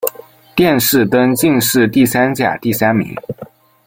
殿试登进士第三甲第三名。